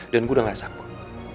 dan gue udah nggak sanggup